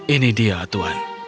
ini dia tuhan